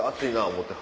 思て。